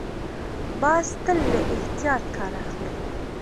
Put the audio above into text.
باز تل له احتیاط کار اخلي